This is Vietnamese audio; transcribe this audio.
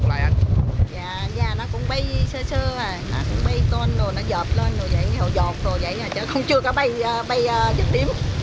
nó dọt rồi vậy à chứ không chưa có bay dứt điếm